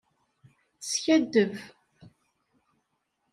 Teskaddeb.